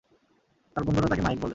তার বন্ধুরা তাকে মাইক বলে।